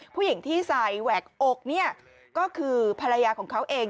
ผู้หญิงที่ใส่แหวกอกเนี่ยก็คือภรรยาของเขาเอง